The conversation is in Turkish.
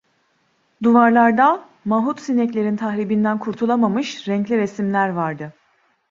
Duvarlarda, mahut sineklerin tahribinden kurtulamamış renkli resimler vardı.